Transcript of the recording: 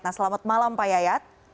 selamat malam pak yayat